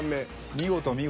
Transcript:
見事見事。